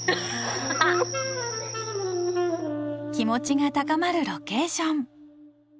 気持ちが高まるロケーション